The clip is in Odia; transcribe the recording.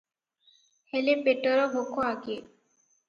ହେଲେ ପେଟର ଭୋକ ଆଗେ ।